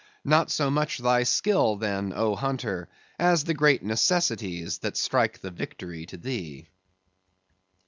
Not so much thy skill, then, O hunter, as the great necessities that strike the victory to thee!